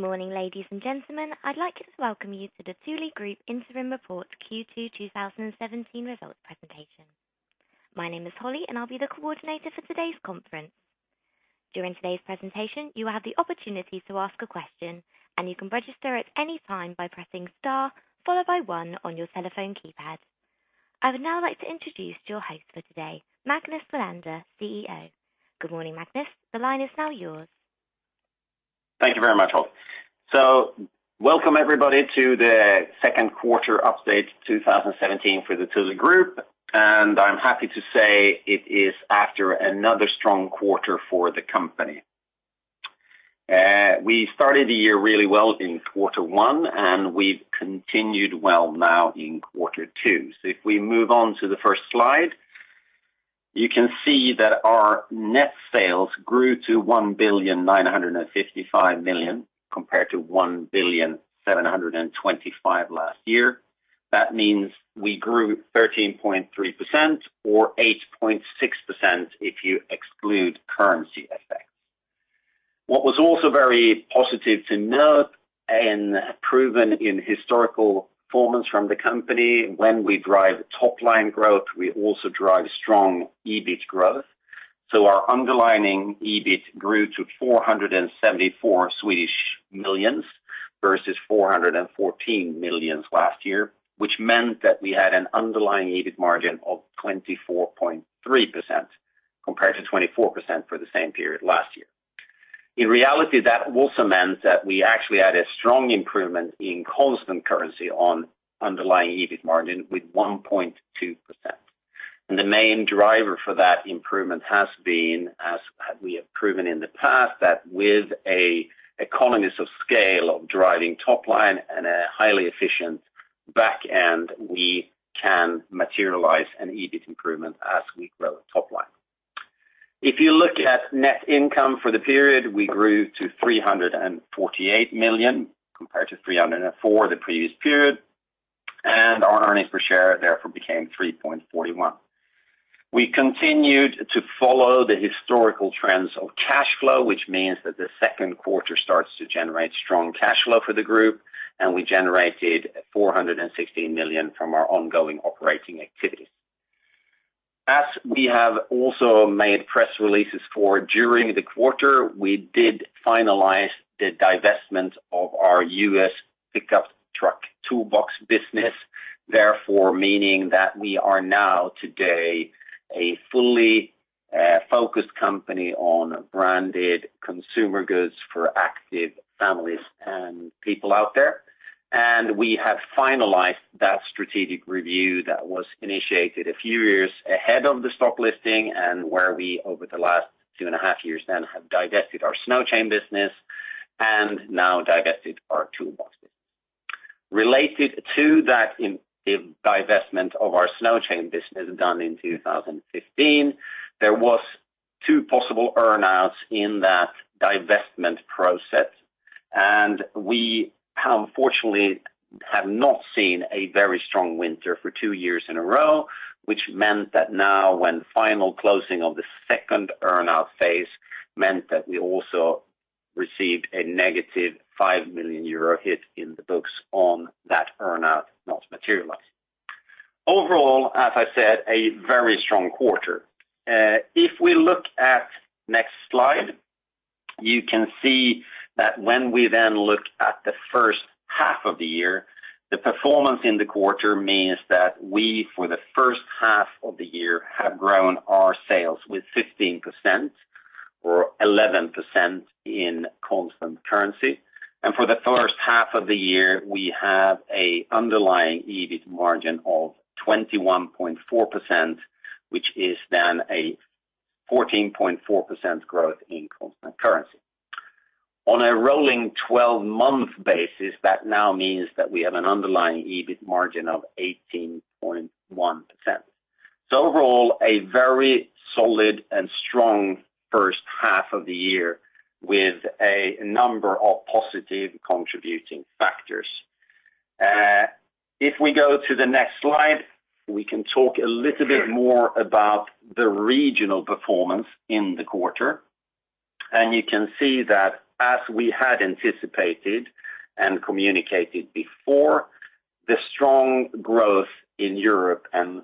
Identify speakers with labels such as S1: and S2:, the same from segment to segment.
S1: Morning, ladies and gentlemen. I would like to welcome you to the Thule Group Interim Report Q2 2017 results presentation. My name is Holly, and I will be the coordinator for today's conference. During today's presentation, you will have the opportunity to ask a question, and you can register at any time by pressing star, followed by one on your telephone keypad. I would now like to introduce your host for today, Magnus Welander, CEO. Good morning, Magnus. The line is now yours.
S2: Thank you very much, Holly. Welcome everybody to the second quarter update 2017 for the Thule Group, and I am happy to say it is after another strong quarter for the company. We started the year really well in quarter one, and we have continued well now in quarter two. If we move on to the first slide, you can see that our net sales grew to 1,955,000,000 compared to 1,725,000,000 last year. That means we grew 13.3% or 8.6% if you exclude currency effects. What was also very positive to note and proven in historical performance from the company, when we drive top-line growth, we also drive strong EBIT growth. Our underlying EBIT grew to 474 million, versus 414 million last year. Which meant that we had an underlying EBIT margin of 24.3% compared to 24% for the same period last year. In reality, that also meant that we actually had a strong improvement in constant currency on underlying EBIT margin with 1.2%. The main driver for that improvement has been, as we have proven in the past, that with economies of scale of driving top line and a highly efficient back end, we can materialize an EBIT improvement as we grow top line. If you look at net income for the period, we grew to 348 million, compared to 304 the previous period, and our earnings per share therefore became 3.41. We continued to follow the historical trends of cash flow, which means that the second quarter starts to generate strong cash flow for the group, and we generated 416 million from our ongoing operating activities. As we have also made press releases for during the quarter, we did finalize the divestment of our U.S. pickup truck toolbox business, therefore meaning that we are now today a fully focused company on branded consumer goods for active families and people out there. We have finalized that strategic review that was initiated a few years ahead of the stock listing and where we, over the last two and a half years now, have divested our snow chain business and now divested our toolbox business. Related to that divestment of our snow chain business done in 2015, there was two possible earn-outs in that divestment process, we unfortunately have not seen a very strong winter for two years in a row, which meant that now, when final closing of the second earn-out phase meant that we also received a negative 5 million euro hit in the books on that earn-out not materialized. Overall, as I said, a very strong quarter. If we look at next slide, you can see that when we look at the first half of the year, the performance in the quarter means that we, for the first half of the year, have grown our sales with 15% or 11% in constant currency. For the first half of the year, we have an underlying EBIT margin of 21.4%, which is a 14.4% growth in constant currency. On a rolling 12-month basis, that now means that we have an underlying EBIT margin of 18.1%. Overall, a very solid and strong first half of the year with a number of positive contributing factors. If we go to the next slide, we can talk a little bit more about the regional performance in the quarter. You can see that as we had anticipated and communicated before, the strong growth in Europe and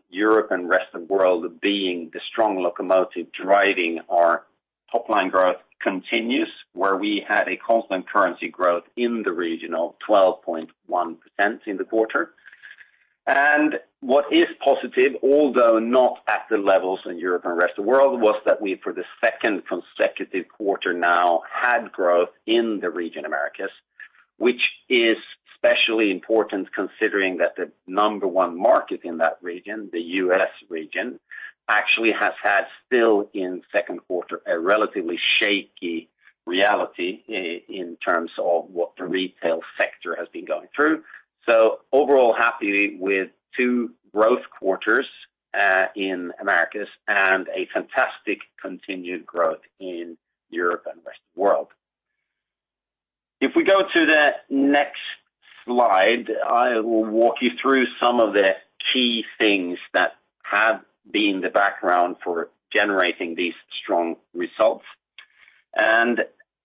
S2: rest of world being the strong locomotive driving our top-line growth continues, where we had a constant currency growth in the region of 12.1% in the quarter. What is positive, although not at the levels in Europe and rest of the world, was that we, for the second consecutive quarter now, had growth in the region Americas, which is especially important considering that the number 1 market in that region, the U.S. region, actually has had still in second quarter, a relatively shaky reality in terms of what the retail sector has been going through. Overall, happy with two growth quarters, in Americas and a fantastic continued growth in Europe and rest of world. If we go to the next slide, I will walk you through some of the key things that have been the background for generating these strong results.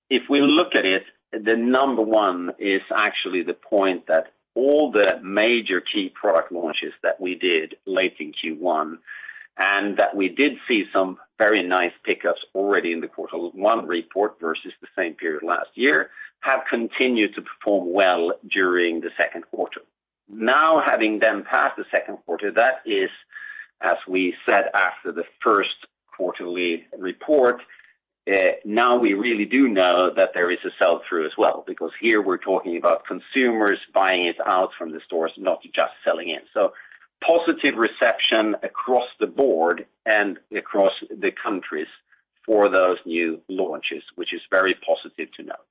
S2: If we look at it, the number 1 is actually the point that all the major key product launches that we did late in Q1, and that we did see some very nice pickups already in the quarter one report versus the same period last year, have continued to perform well during the second quarter. Now, having them pass the second quarter, that is, as we said, after the first quarterly report, now we really do know that there is a sell-through as well, because here we're talking about consumers buying it out from the stores, not just selling in. Positive reception across the board and across the countries for those new launches, which is very positive to note.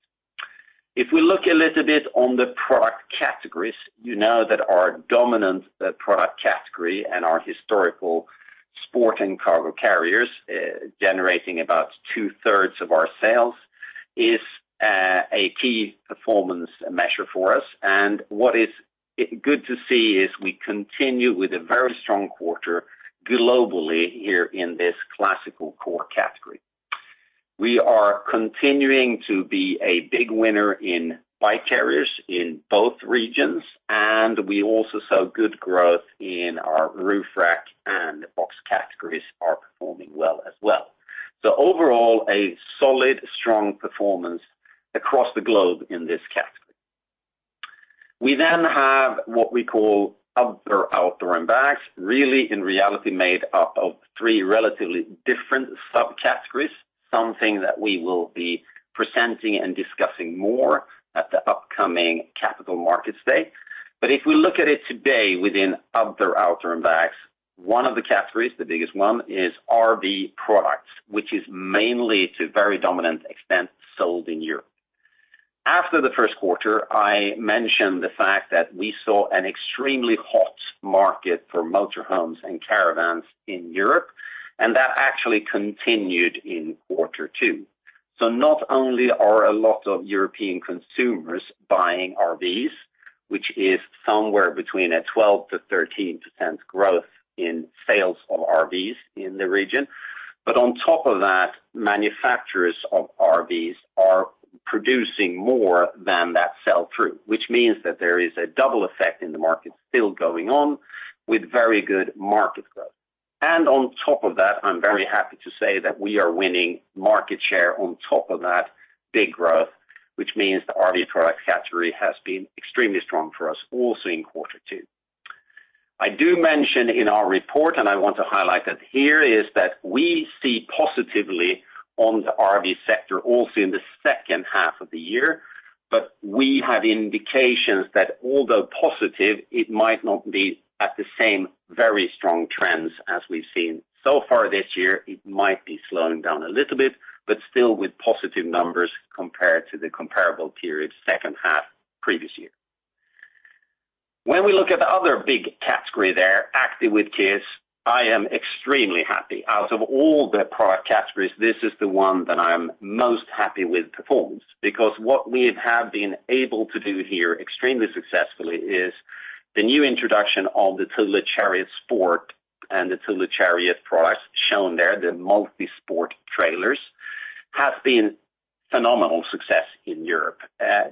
S2: If we look a little bit on the product categories, you know that our dominant product category and our historical Sport & Cargo Carriers, generating about two-thirds of our sales, is a key performance measure for us. What is good to see is we continue with a very strong quarter globally here in this classical core category. We are continuing to be a big winner in bike carriers in both regions, we also saw good growth in our roof rack, and the box categories are performing well as well. Overall, a solid, strong performance across the globe in this category. We have what we call other outdoor and bags, really, in reality, made up of three relatively different subcategories, something that we will be presenting and discussing more at the upcoming Capital Markets Day. If we look at it today within other outdoor and bags, one of the categories, the biggest one, is RV products, which is mainly to a very dominant extent, sold in Europe. After the first quarter, I mentioned the fact that we saw an extremely hot market for motor homes and caravans in Europe, that actually continued in quarter two. Not only are a lot of European consumers buying RVs, which is somewhere between a 12%-13% growth in sales of RVs in the region, but on top of that, manufacturers of RVs are producing more than that sell-through. Which means that there is a double effect in the market still going on with very good market growth. On top of that, I'm very happy to say that we are winning market share on top of that big growth, which means the RV product category has been extremely strong for us also in quarter two. I do mention in our report, I want to highlight that here, is that we see positively on the RV sector also in the second half of the year. We have indications that although positive, it might not be at the same very strong trends as we've seen so far this year. It might be slowing down a little bit, but still with positive numbers compared to the comparable period second half previous year. When we look at the other big category there, Active with Kids, I am extremely happy. Out of all the product categories, this is the one that I am most happy with performance, because what we have been able to do here extremely successfully is the new introduction of the Thule Chariot Sport and the Thule Chariot products shown there, the multi-sport trailers, have been phenomenal success in Europe.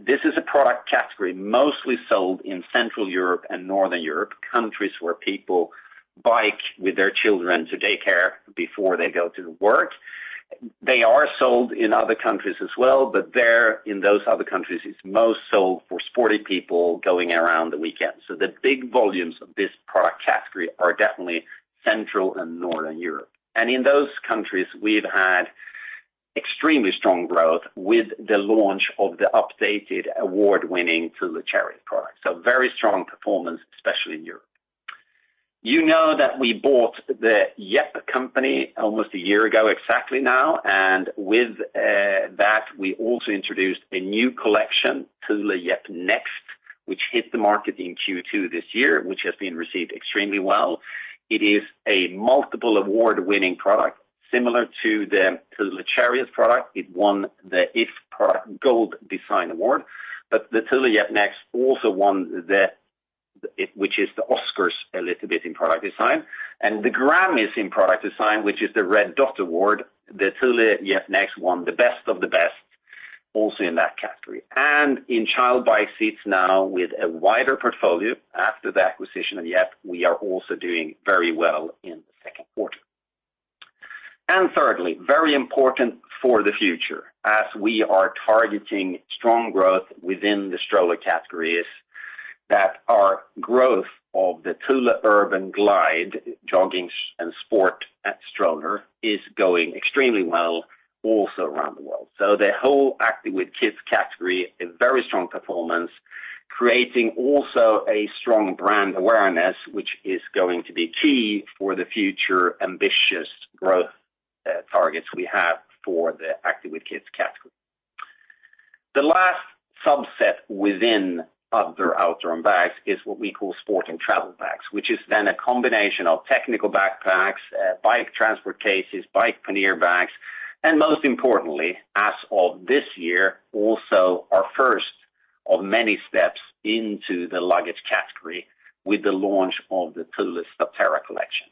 S2: This is a product category mostly sold in Central Europe and Northern Europe, countries where people bike with their children to daycare before they go to work. They are sold in other countries as well, but there in those other countries, it's most sold for sporty people going around the weekend. The big volumes of this product category are definitely Central and Northern Europe. In those countries, we've had extremely strong growth with the launch of the updated award-winning Thule Chariot product. Very strong performance, especially in Europe. You know that we bought the Yepp company almost a year ago exactly now, with that, we also introduced a new collection, Thule Yepp Nexxt, which hit the market in Q2 this year, which has been received extremely well. It is a multiple award-winning product similar to the Thule Chariot product. It won the iF Gold Award, which is the Oscars a little bit in product design, and the Grammys in product design, which is the Red Dot Design Award. The Thule Yepp Nexxt won the best of the best also in that category. In child bike seats now with a wider portfolio after the acquisition of Yepp, we are also doing very well in the second quarter. Thirdly, very important for the future, as we are targeting strong growth within the stroller categories, that our growth of the Thule Urban Glide jogging and sport stroller is going extremely well also around the world. The whole Active with Kids Category, a very strong performance, creating also a strong brand awareness, which is going to be key for the future ambitious growth targets we have for the Active with Kids Category. The last subset within other outdoor and bags is what we call sport and travel bags, which is then a combination of technical backpacks, bike transport cases, bike pannier bags. And most importantly, as of this year, also our first of many steps into the luggage category with the launch of the Thule Subterra collection.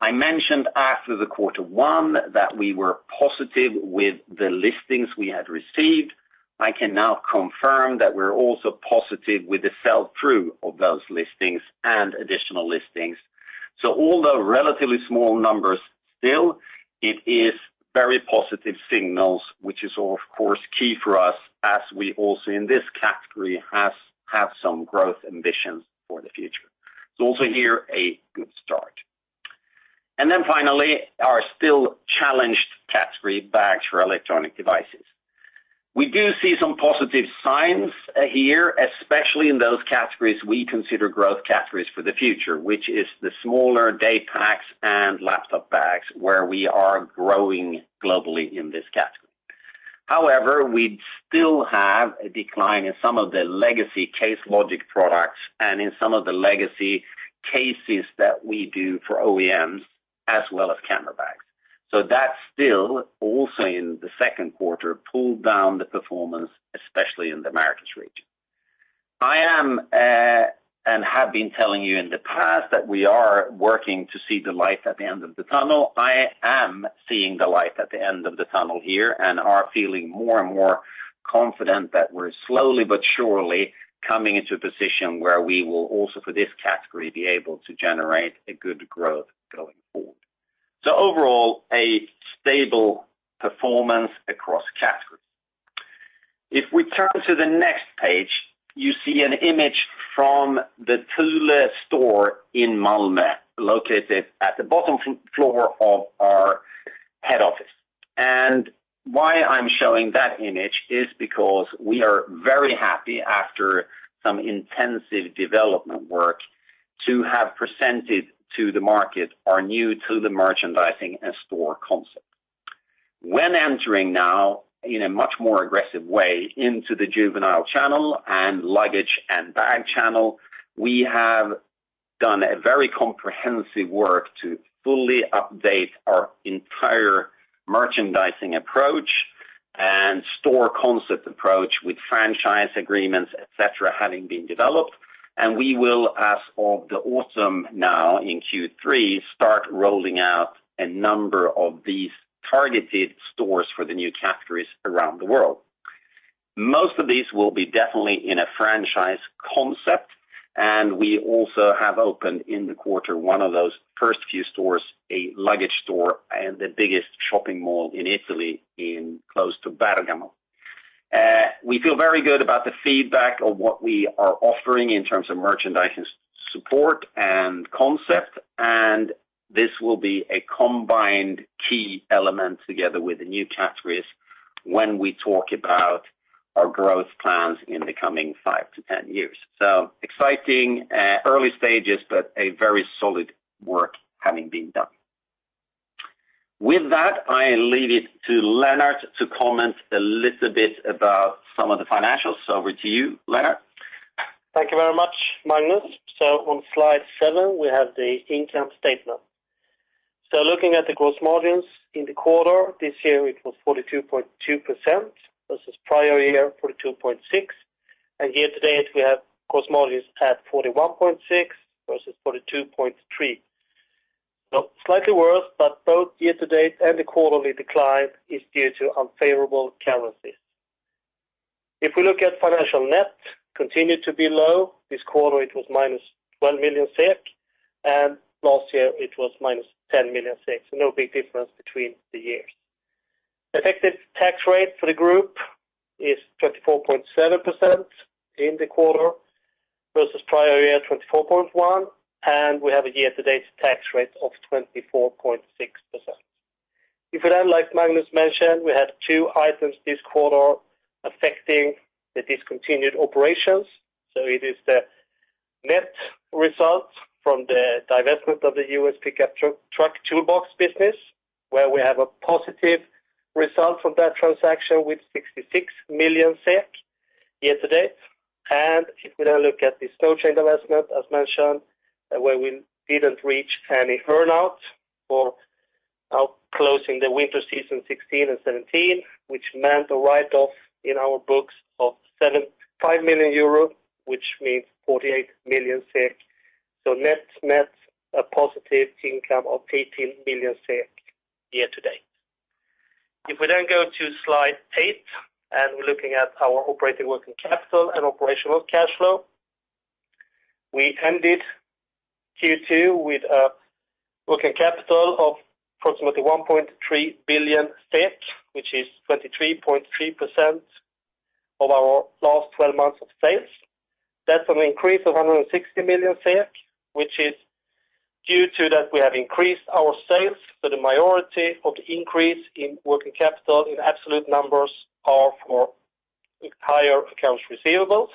S2: I mentioned after the quarter one that we were positive with the listings we had received. I can now confirm that we're also positive with the sell-through of those listings and additional listings. Although relatively small numbers still, it is very positive signals, which is of course key for us as we also in this category have some growth ambitions for the future. Also here, a good start. Finally, our still challenged category, bags for electronic devices. We do see some positive signs here, especially in those categories we consider growth categories for the future, which is the smaller daypacks and laptop bags, where we are growing globally in this category. However, we still have a decline in some of the legacy Case Logic products and in some of the legacy cases that we do for OEMs, as well as camera bags. That still, also in the second quarter, pulled down the performance, especially in the Americas region. I am, and have been telling you in the past, that we are working to see the light at the end of the tunnel. I am seeing the light at the end of the tunnel here and are feeling more and more confident that we're slowly but surely coming into a position where we will also, for this category, be able to generate a good growth going forward. Overall, a stable performance across categories. If we turn to the next page, you see an image from the Thule store in Malmö, located at the bottom floor of our head office. Why I'm showing that image is because we are very happy after some intensive development work to have presented to the market our new Thule merchandising and store concept. When entering now in a much more aggressive way into the juvenile channel and luggage and bag channel, we have done a very comprehensive work to fully update our entire merchandising approach and store concept approach with franchise agreements, et cetera, having been developed. We will, as of the autumn now in Q3, start rolling out a number of these targeted stores for the new categories around the world. Most of these will be definitely in a franchise concept, and we also have opened in the quarter one of those first few stores, a luggage store in the biggest shopping mall in Italy, close to Bergamo. We feel very good about the feedback of what we are offering in terms of merchandising support and concept, and this will be a combined key element together with the new categories when we talk about our growth plans in the coming 5-10 years. Exciting early stages, but a very solid work having been done. With that, I leave it to Lennart to comment a little bit about some of the financials. Over to you, Lennart.
S3: Thank you very much, Magnus. On slide seven, we have the income statement. Looking at the gross margins in the quarter, this year it was 42.2% versus prior year, 42.6%. Year to date, we have gross margins at 41.6% versus 42.3%. Slightly worse, but both year to date and the quarterly decline is due to unfavorable currencies. If we look at financial net, continued to be low. This quarter it was -12 million SEK, and last year it was -10 million SEK, so no big difference between the years. Effective tax rate for the group is 24.7% in the quarter versus prior year, 24.1%, and we have a year-to-date tax rate of 24.6%. Like Magnus mentioned, we had two items this quarter affecting the discontinued operations. It is the net result from the divestment of the U.S. pickup truck toolbox business, where we have a positive result from that transaction with 66 million SEK year to date. If we now look at the snow chain divestment, as mentioned, where we didn't reach any earn-out for now closing the winter season 2016 and 2017, which meant a write-off in our books of €5 million, which means 48 million SEK. Net, a positive income of 18 million SEK year to date. If we go to slide eight, and we're looking at our operating working capital and operational cash flow. We ended Q2 with a working capital of approximately 1.3 billion, which is 23.3% of our last 12 months of sales. That's an increase of 160 million SEK, which is due to that we have increased our sales. The majority of the increase in working capital in absolute numbers are for higher accounts receivables.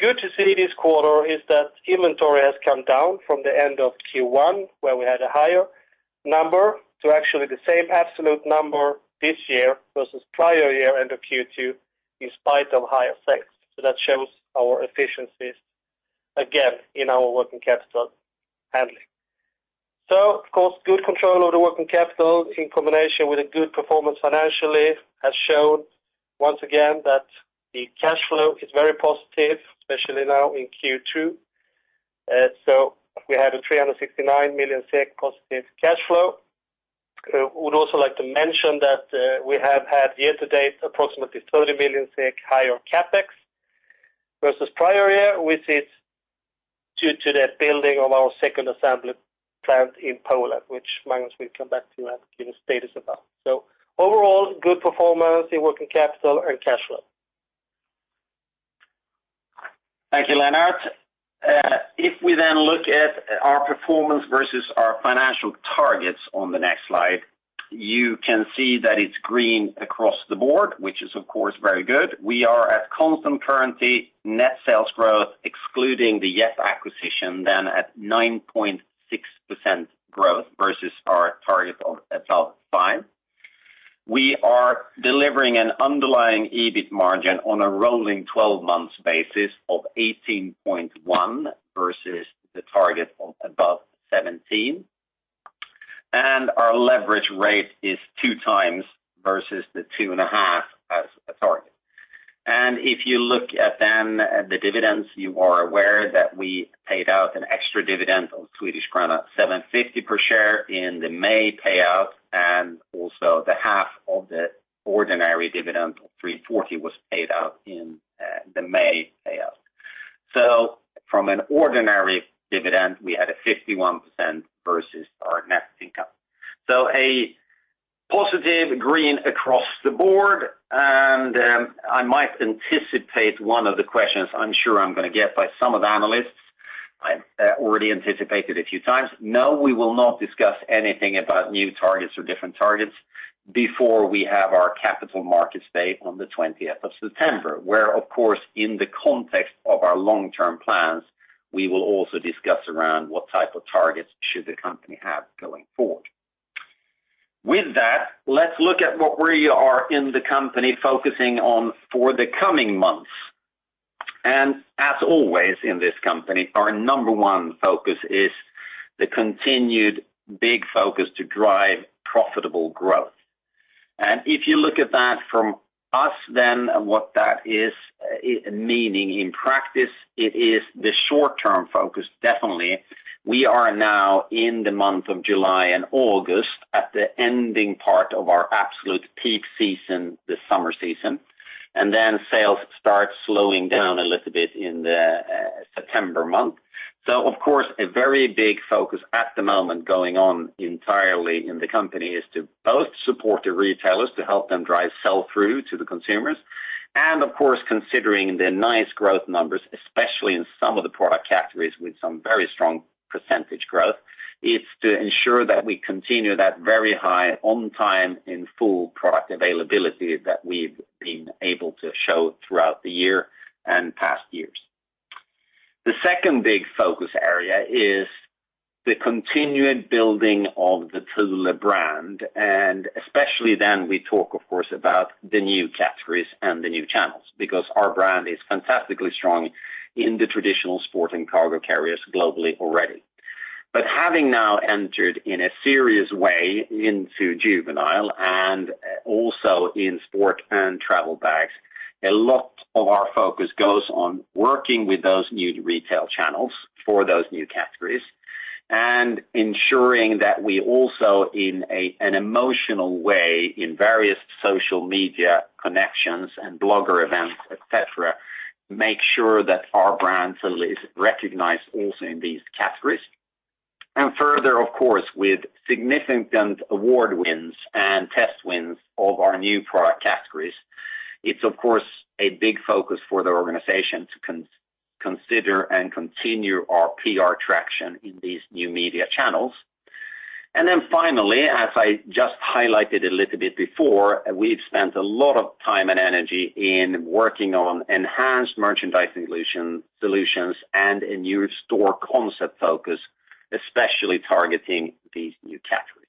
S3: Good to see this quarter is that inventory has come down from the end of Q1, where we had a higher number to actually the same absolute number this year versus prior year end of Q2 in spite of higher sales. That shows our efficiencies again in our working capital handling. Of course, good control of the working capital in combination with a good performance financially has shown once again that the cash flow is very positive, especially now in Q2. We had a 369 million SEK positive cash flow. Would also like to mention that we have had year-to-date approximately 30 million SEK higher CapEx versus prior year, which is due to the building of our second assembly plant in Poland, which Magnus will come back to and give a status about. Overall, good performance in working capital and cash flow.
S2: Thank you, Lennart. If we look at our performance versus our financial targets on the next slide, you can see that it's green across the board, which is, of course, very good. We are at constant currency net sales growth, excluding the Yepp acquisition, at 9.6% growth versus our target of above five. We are delivering an underlying EBIT margin on a rolling 12-month basis of 18.1 versus the target of above 17. Our leverage rate is two times versus the two and a half as a target. If you look at the dividends, you are aware that we paid out an extra dividend of Swedish krona 7.50 per share in the May payout, and also the half of the ordinary dividend of 3.40 was paid out in the May payout. From an ordinary dividend, we had a 51% versus our net income. A positive green across the board. I might anticipate one of the questions I'm sure I'm going to get by some of the analysts, I've already anticipated a few times. No, we will not discuss anything about new targets or different targets before we have our Capital Markets Day on the 20th of September, where, of course, in the context of our long-term plans, we will also discuss around what type of targets should the company have going forward. With that, let's look at what we are in the company focusing on for the coming months. As always in this company, our number one focus is the continued big focus to drive profitable growth. If you look at that from us then, and what that is meaning in practice, it is the short-term focus, definitely. We are now in the month of July and August at the ending part of our absolute peak season, the summer season. Sales start slowing down a little bit in the September month. Of course, a very big focus at the moment going on entirely in the company is to both support the retailers to help them drive sell-through to the consumers. Of course, considering the nice growth numbers, especially in some of the product categories with some very strong percentage growth, it's to ensure that we continue that very high on time in full product availability that we've been able to show throughout the year and past years. The second big focus area is the continued building of the Thule brand. Especially then we talk, of course, about the new categories and the new channels because our brand is fantastically strong in the traditional Sport & Cargo Carriers globally already. Having now entered in a serious way into juvenile and also in sport and travel bags, a lot of our focus goes on working with those new retail channels for those new categories and ensuring that we also in an emotional way in various social media connections and blogger events, et cetera, make sure that our brand Thule is recognized also in these categories. Further, of course, with significant award wins and test wins of our new product categories, it's of course a big focus for the organization to consider and continue our PR traction in these new media channels. Finally, as I just highlighted a little bit before, we've spent a lot of time and energy in working on enhanced merchandising solutions and a new store concept focus, especially targeting these new categories.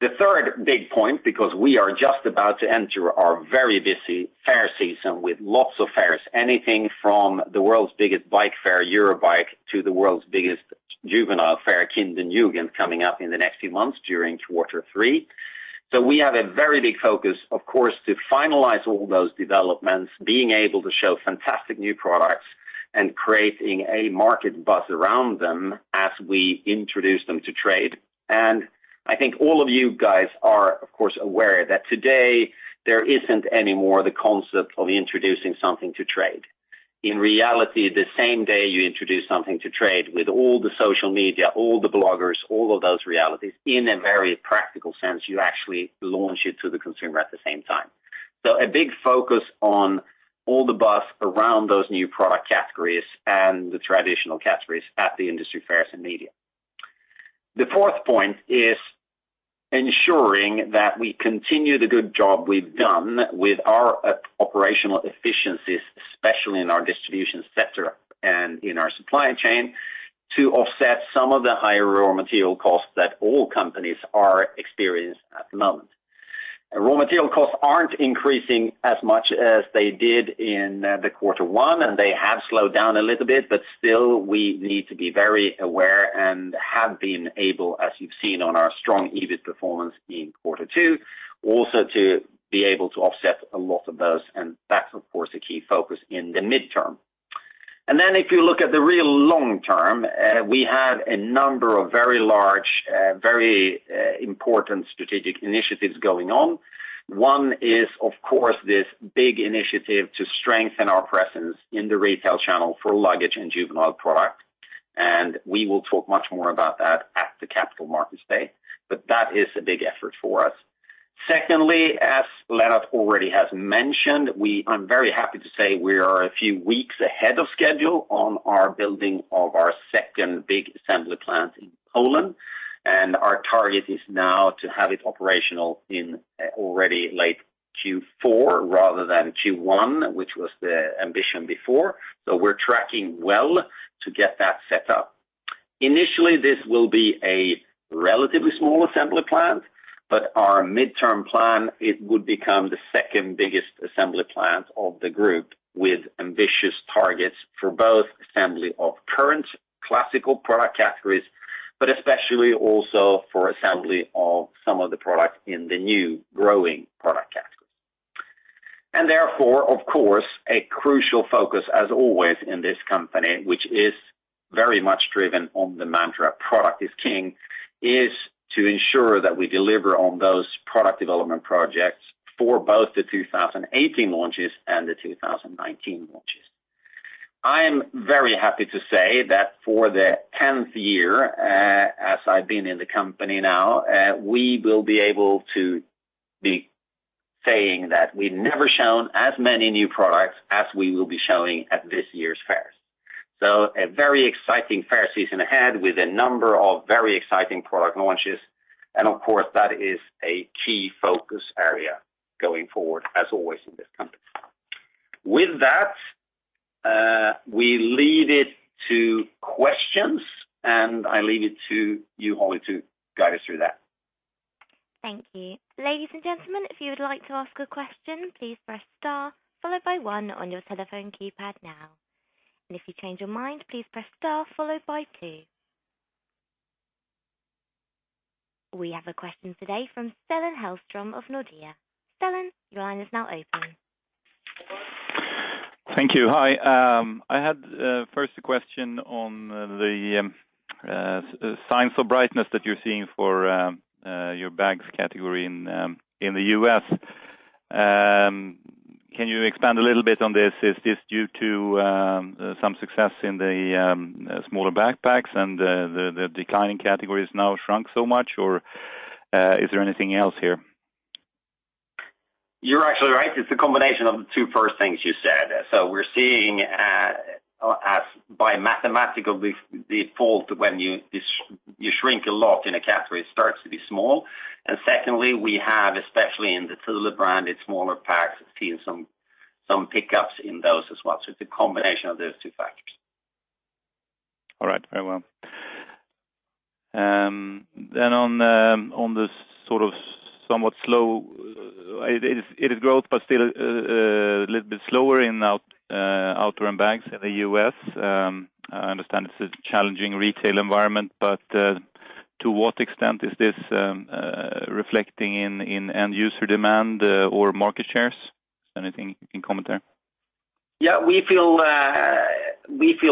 S2: The third big point, because we are just about to enter our very busy fair season with lots of fairs, anything from the world's biggest bike fair, Eurobike, to the world's biggest juvenile fair, Kind + Jugend, coming up in the next few months during quarter three. We have a very big focus, of course, to finalize all those developments, being able to show fantastic new products and creating a market buzz around them as we introduce them to trade. I think all of you guys are, of course, aware that today there isn't any more the concept of introducing something to trade. In reality, the same day you introduce something to trade with all the social media, all the bloggers, all of those realities, in a very practical sense, you actually launch it to the consumer at the same time. A big focus on all the buzz around those new product categories and the traditional categories at the industry fairs and media. The fourth point is ensuring that we continue the good job we've done with our operational efficiencies, especially in our distribution center and in our supply chain to offset some of the higher raw material costs that all companies are experiencing at the moment. Raw material costs aren't increasing as much as they did in the quarter one. They have slowed down a little bit, but still we need to be very aware and have been able, as you've seen on our strong EBIT performance in quarter two, also to be able to offset a lot of those, that's of course, a key focus in the midterm. If you look at the real long term, we have a number of very large, very important strategic initiatives going on. One is, of course, this big initiative to strengthen our presence in the retail channel for luggage and juvenile product. We will talk much more about that at the Capital Markets Day, but that is a big effort for us. Secondly, as Lennart already has mentioned, I'm very happy to say we are a few weeks ahead of schedule on our building of our second big assembly plant in Poland. Our target is now to have it operational in already late Q4 rather than Q1, which was the ambition before. We're tracking well to get that set up. Initially, this will be a relatively small assembly plant, but our midterm plan, it would become the second-biggest assembly plant of the group with ambitious targets for both assembly of current classical product categories, especially also for assembly of some of the products in the new growing product categories. Therefore, of course, a crucial focus as always in this company, which is very much driven on the mantra product is king, is to ensure that we deliver on those product development projects for both the 2018 launches and the 2019 launches. I am very happy to say that for the 10th year, as I've been in the company now, we will be able to be saying that we've never shown as many new products as we will be showing at this year's fairs. A very exciting fair season ahead with a number of very exciting product launches. Of course, that is a key focus area going forward, as always in this company. With that, we lead it to questions. I leave it to you, Holly, to guide us through that.
S1: Thank you. Ladies and gentlemen, if you would like to ask a question, please press star followed by one on your telephone keypad now. If you change your mind, please press star followed by two. We have a question today from Stellan Hellström of Nordea. Stellan, your line is now open.
S4: Thank you. Hi. I had first a question on the signs of brightness that you're seeing for your bags category in the U.S. Can you expand a little bit on this? Is this due to some success in the smaller backpacks and the declining categories now shrunk so much, or is there anything else here?
S2: You're actually right. It's a combination of the two first things you said. We're seeing as by mathematical default, when you shrink a lot in a category, it starts to be small. Secondly, we have, especially in the Thule brand, its smaller packs, have seen some pick-ups in those as well. It's a combination of those two factors.
S4: All right. Very well. On this sort of somewhat slow, it is growth, but still a little bit slower in outdoor and bags in the U.S. I understand it's a challenging retail environment, to what extent is this reflecting in end user demand or market shares? Is there anything you can comment there?
S2: Yeah, we feel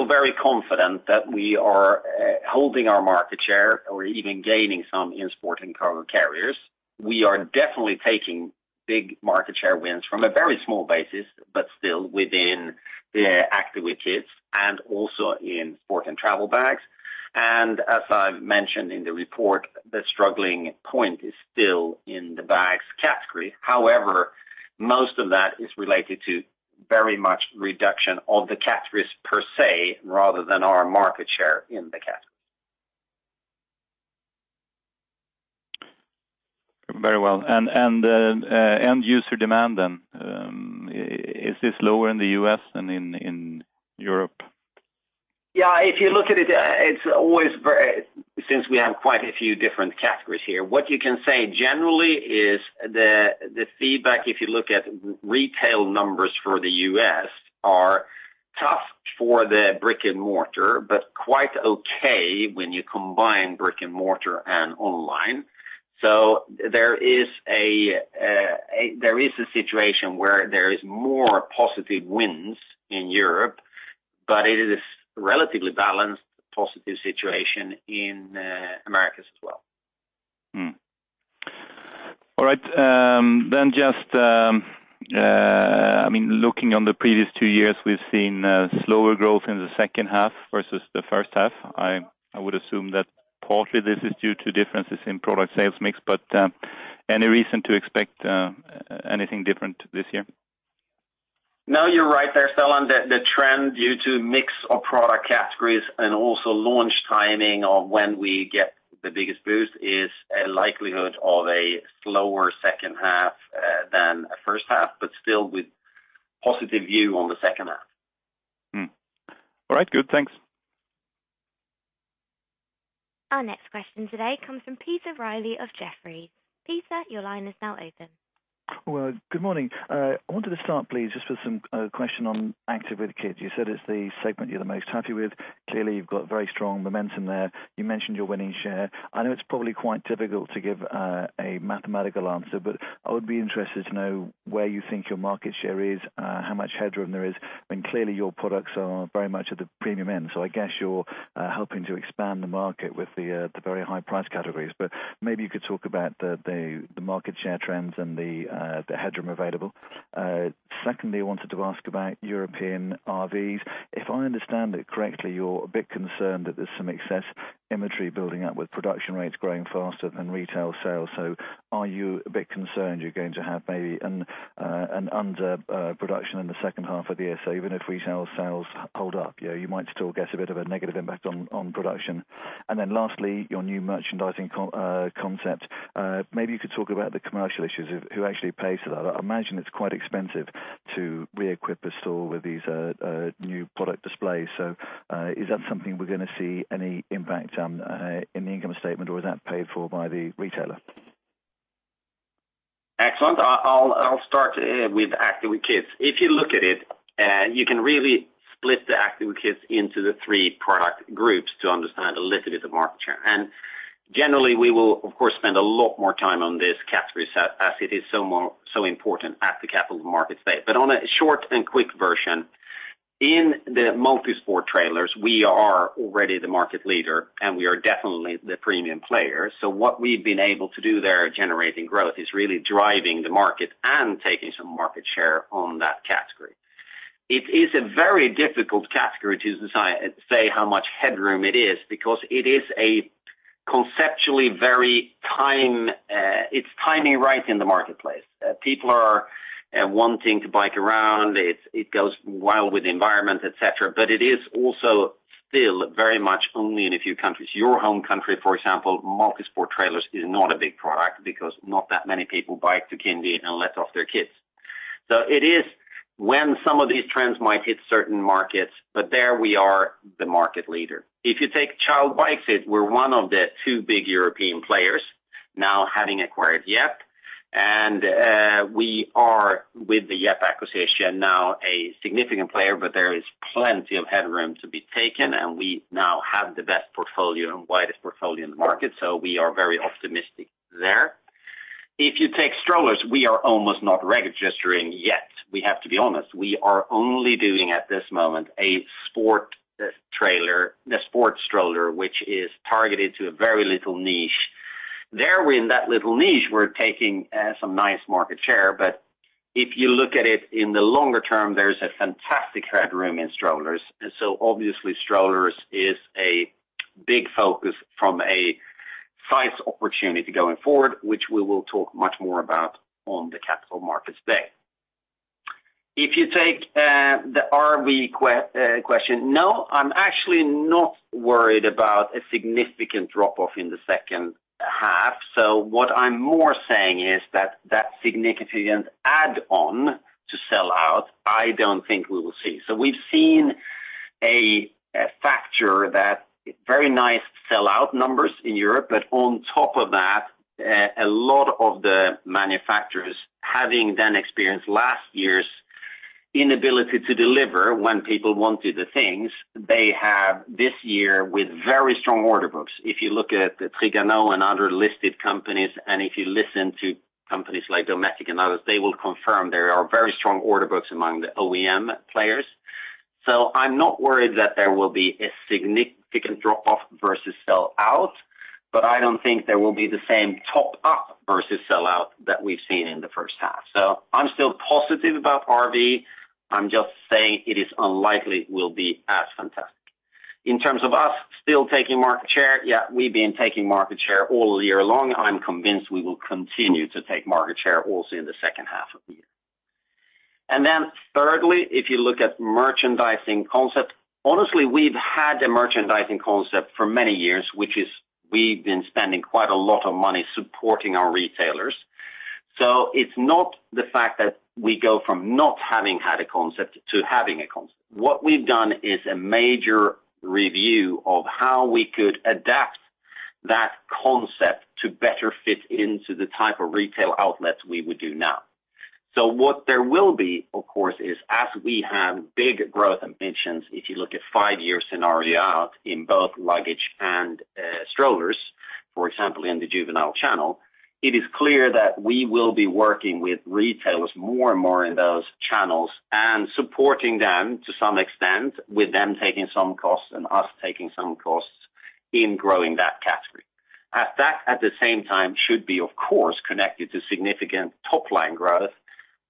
S2: very confident that we are holding our market share or even gaining some in Sport & Cargo Carriers. We are definitely taking big market share wins from a very small basis, but still within the Active with Kids and also in sport and travel bags. As I've mentioned in the report, the struggling point is still in the bags category. However, most of that is related to very much reduction of the categories per se, rather than our market share in the category.
S4: Very well. End user demand, is this lower in the U.S. than in Europe?
S2: If you look at it, since we have quite a few different categories here, what you can say generally is the feedback if you look at retail numbers for the U.S. are tough for the brick and mortar, but quite okay when you combine brick and mortar and online. There is a situation where there is more positive wins in Europe, but it is relatively balanced positive situation in Americas as well.
S4: Looking on the previous two years, we've seen slower growth in the second half versus the first half. I would assume that partly this is due to differences in product sales mix, but any reason to expect anything different this year?
S2: You're right there, Stellan. The trend due to mix of product categories and also launch timing of when we get the biggest boost is a likelihood of a slower second half than a first half, but still with positive view on the second half.
S4: All right. Good. Thanks.
S1: Our next question today comes from Peter Riley of Jefferies. Peter, your line is now open.
S5: Well, good morning. I wanted to start, please, just with some question on Active with Kids. You said it's the segment you're the most happy with. Clearly, you've got very strong momentum there. You mentioned your winning share. I know it's probably quite difficult to give a mathematical answer, but I would be interested to know where you think your market share is, how much headroom there is. I mean, clearly your products are very much at the premium end, so I guess you're helping to expand the market with the very high price categories. Maybe you could talk about the market share trends and the headroom available. Secondly, I wanted to ask about European RVs. If I understand it correctly, you're a bit concerned that there's some excess inventory building up with production rates growing faster than retail sales. Are you a bit concerned you're going to have maybe an underproduction in the second half of the year? Even if retail sales hold up, you might still get a bit of a negative impact on production. Lastly, your new merchandising concept. Maybe you could talk about the commercial issues of who actually pays for that. I imagine it's quite expensive to re-equip a store with these new product displays. Is that something we're going to see any impact on in the income statement, or is that paid for by the retailer?
S2: Excellent. I'll start with Active with Kids. If you look at it, you can really split the Active with Kids into the three product groups to understand a little bit of market share. Generally, we will, of course, spend a lot more time on this category as it is so important at the Capital Markets Day. On a short and quick version, in the multisport trailers, we are already the market leader, and we are definitely the premium player. What we've been able to do there generating growth is really driving the market and taking some market share on that category. It is a very difficult category to say how much headroom it is because it is a conceptually very timing right in the marketplace. People are wanting to bike around. It goes well with the environment, et cetera. It is also still very much only in a few countries. Your home country, for example, multisport trailers is not a big product because not that many people bike to kindy and let off their kids. It is when some of these trends might hit certain markets, but there we are the market leader. If you take child bike seats, we're one of the two big European players now having acquired Yepp. We are, with the Yepp acquisition, now a significant player, but there is plenty of headroom to be taken, and we now have the best portfolio and widest portfolio in the market. We are very optimistic there. If you take strollers, we are almost not registering yet. We have to be honest. We are only doing at this moment a sport stroller, which is targeted to a very little niche. There, in that little niche, we're taking some nice market share. If you look at it in the longer term, there's a fantastic headroom in strollers. Obviously, strollers is a big focus from a size opportunity going forward, which we will talk much more about on the Capital Markets Day. If you take the RV question, no, I'm actually not worried about a significant drop-off in the second half. What I'm more saying is that significant add on to sell out, I don't think we will see. We've seen a factor that very nice sellout numbers in Europe, but on top of that, a lot of the manufacturers, having then experienced last year's inability to deliver when people wanted the things, they have this year with very strong order books. If you look at the Trigano and other listed companies, if you listen to companies like Dometic and others, they will confirm there are very strong order books among the OEM players. I'm not worried that there will be a significant drop-off versus sellout, but I don't think there will be the same top-up versus sellout that we've seen in the first half. I'm still positive about RV. I'm just saying it is unlikely will be as fantastic. In terms of us still taking market share, yeah, we've been taking market share all year long. I'm convinced we will continue to take market share also in the second half of the year. Then thirdly, if you look at merchandising concept, honestly, we've had a merchandising concept for many years, which is we've been spending quite a lot of money supporting our retailers. It's not the fact that we go from not having had a concept to having a concept. What we've done is a major review of how we could adapt that concept to better fit into the type of retail outlets we would do now. What there will be, of course, is as we have big growth ambitions, if you look at five-year scenario out in both luggage and strollers, for example, in the juvenile channel, it is clear that we will be working with retailers more and more in those channels and supporting them to some extent, with them taking some costs and us taking some costs in growing that category. At the same time, should be, of course, connected to significant top-line growth.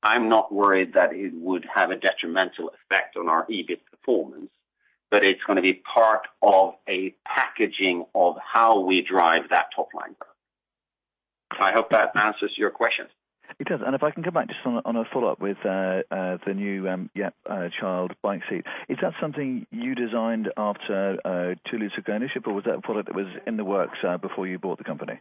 S2: I'm not worried that it would have a detrimental effect on our EBIT performance, it's going to be part of a packaging of how we drive that top-line. I hope that answers your questions.
S5: It does. If I can come back just on a follow-up with the new Yepp child bike seat. Is that something you designed after Thule took ownership, or was that a product that was in the works before you bought the company?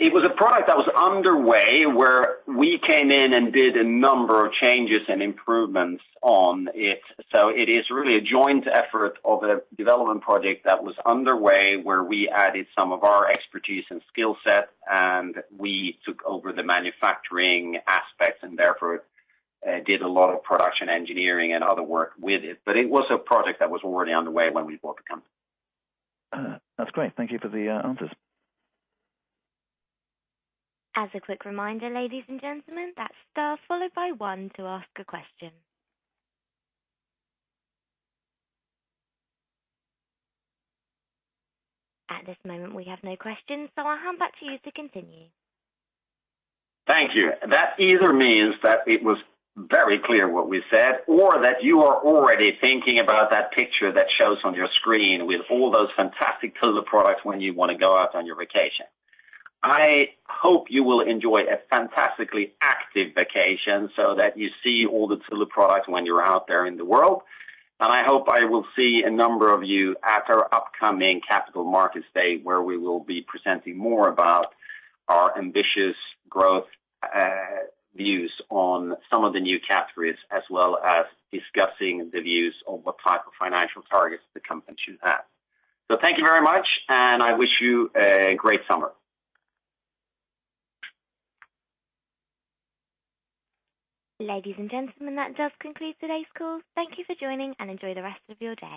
S2: It was a product that was underway where we came in and did a number of changes and improvements on it. It is really a joint effort of a development project that was underway where we added some of our expertise and skill set, and we took over the manufacturing aspects and therefore did a lot of production engineering and other work with it. It was a project that was already underway when we bought the company.
S5: That's great. Thank you for the answers.
S1: As a quick reminder, ladies and gentlemen, that's star followed by one to ask a question. At this moment, we have no questions, so I'll hand back to you to continue.
S2: Thank you. That either means that it was very clear what we said or that you are already thinking about that picture that shows on your screen with all those fantastic Thule products when you want to go out on your vacation. I hope you will enjoy a fantastically active vacation so that you see all the Thule products when you're out there in the world. I hope I will see a number of you at our upcoming Capital Markets Day where we will be presenting more about our ambitious growth views on some of the new categories, as well as discussing the views of what type of financial targets the company should have. Thank you very much, and I wish you a great summer.
S1: Ladies and gentlemen, that does conclude today's call. Thank you for joining, and enjoy the rest of your day.